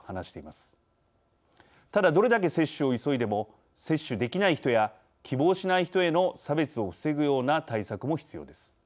ただ、どれだけ接種を急いでも接種できない人や希望しない人への差別を防ぐような対策も必要です。